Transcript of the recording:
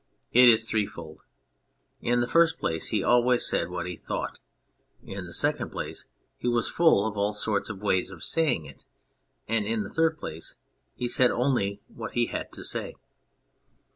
It is threefold : in the first place, he always said what he thought ; in the second place, he was full of all sorts of ways of saying it ; and, in the third place, he said only what he had to say.